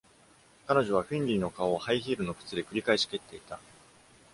彼女はフィンリーの顔をハイヒールの靴で繰り返し蹴っていた。